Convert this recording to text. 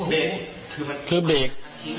เบรกคือเบรก